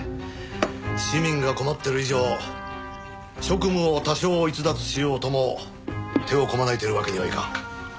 市民が困っている以上職務を多少逸脱しようとも手をこまねいているわけにはいかん。